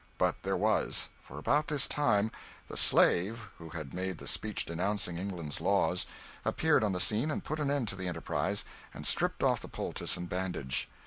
But there was; for about this time the 'slave' who had made the speech denouncing England's laws, appeared on the scene, and put an end to the enterprise, and stripped off the poultice and bandage.